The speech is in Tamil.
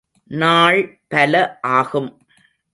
நாள் பல ஆகும்.